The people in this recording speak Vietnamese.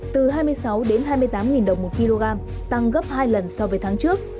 từ hai mươi sáu hai mươi tám đồng một kg tăng gấp hai lần so với tháng trước